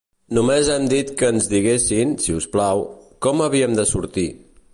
Només hem dit que ens diguessin, si us plau, com havíem de sortir.